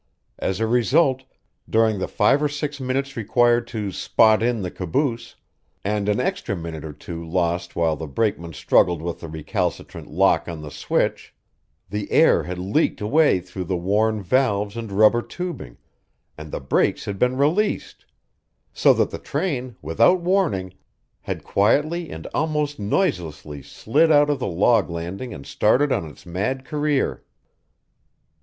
As a result, during the five or six minutes required to "spot in" the caboose, and an extra minute or two lost while the brakeman struggled with the recalcitrant lock on the switch, the air had leaked away through the worn valves and rubber tubing, and the brakes had been released so that the train, without warning, had quietly and almost noiselessly slid out of the log landing and started on its mad career.